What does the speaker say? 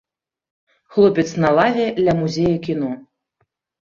Хлопец на лаве ля музея кіно.